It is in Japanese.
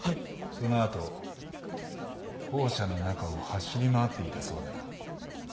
その後校舎の中を走り回っていたそうだな。